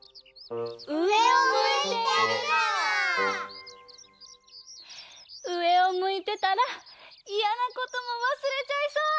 うえをむいてたらいやなこともわすれちゃいそう！